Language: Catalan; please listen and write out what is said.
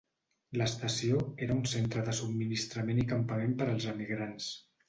L'estació era un centre de subministrament i campament per als emigrants.